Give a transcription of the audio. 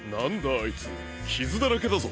あいつきずだらけだぞ。